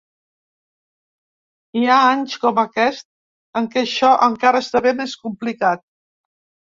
Hi ha anys, com aquest, en què això encara esdevé més complicat.